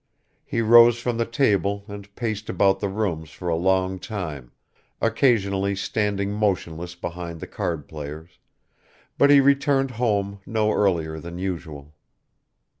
He rose from the table and paced about the rooms for a long time, occasionally standing motionless behind the cardplayers, but he returned home no earlier than usual.